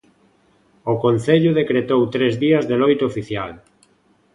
O Concello decretou tres días de loito oficial.